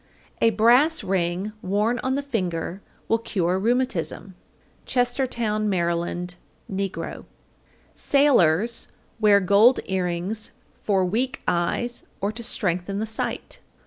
_ 810. A brass ring worn on the finger will cure rheumatism. Chestertown, Md. (negro). 811. Sailors wear gold earrings for weak eyes or to strengthen the sight.